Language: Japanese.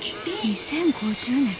２０５０年。